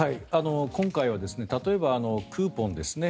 今回は例えばクーポンですね。